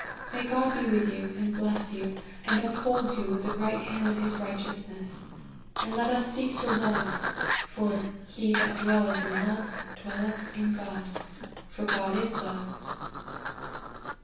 May God be with you, and bless you, and uphold you with the right hand of C 26 LIFE OP HENUY MARTYN. his righteousness : and let us seek to love ; for * he that dwelleth in love dwelleth in God, for God is love.'